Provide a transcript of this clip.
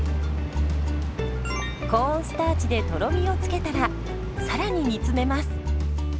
コーンスターチでとろみを付けたらさらに煮詰めます。